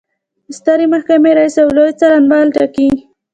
د سترې محکمې رئیس او لوی څارنوال ټاکي.